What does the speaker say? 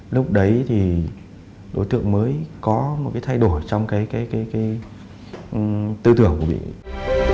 lúc đấy thì đối tượng mới có một cái thay đổi trong cái tư tưởng của vị